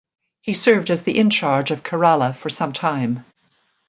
He served as the in charge of Kerala for some time.